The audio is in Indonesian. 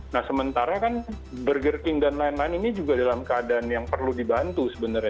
nah sementara kan burger king dan lain lain ini juga dalam keadaan yang perlu dibantu sebenarnya